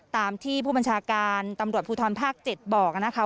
ตามที่ผู้บัญชาการตำรวจภูทรภาค๗บอกนะคะ